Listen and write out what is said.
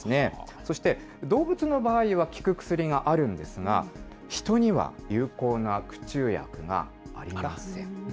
そして動物の場合は効く薬があるんですが、人には有効な駆虫薬がありません。